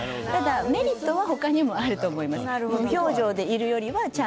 メリットは他にもあると思います。